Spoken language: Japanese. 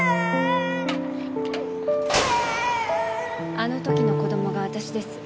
あの時の子供が私です。